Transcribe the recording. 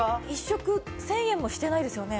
１食１０００円もしてないですよね？